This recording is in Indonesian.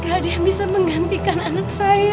gak ada yang bisa menggantikan anak saya